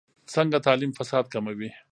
څنګه تعلیم فساد کموي؟